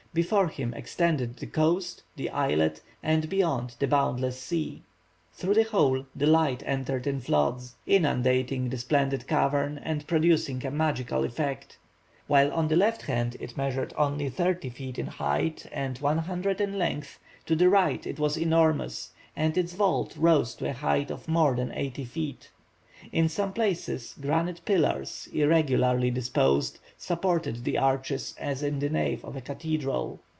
Before him extended the coast, the islet, and, beyond, the boundless sea. Through the hole the light entered in floods, inundating the splendid cavern and producing a magical effect. While on the left hand it measured only thirty feet in height and one hundred in length, to the right it was enormous, and its vault rose to a height of more than eighty feet. In some places, granite pillars, irregularly disposed, supported the arches as in the nave of a cathedral.